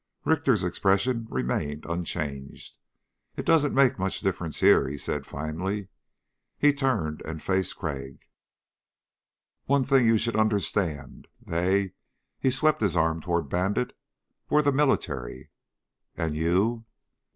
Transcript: Richter's expression remained unchanged. "It doesn't make much difference here," he said finally. He turned and faced Crag. "One thing you should understand. They," he swept his arm toward Bandit, "were the military." "And you?"